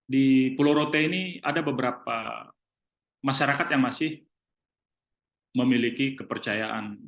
di pulau rote ini ada beberapa masyarakat yang masih memiliki kepercayaan